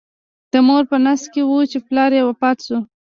د مور په نس کې و چې پلار یې وفات شو.